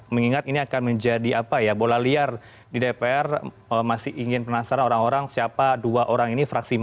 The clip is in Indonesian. mengingat ini akan menjadi apa ya bola liar di dpr masih ingin penasaran orang orang siapa dua orang ini fraksi